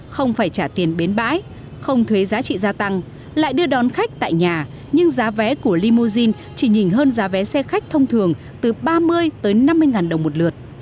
không phải trả tiền bến bãi không thuế giá trị gia tăng lại đưa đón khách tại nhà nhưng giá vé của limousine chỉ nhìn hơn giá vé xe khách thông thường từ ba mươi tới năm mươi ngàn đồng một lượt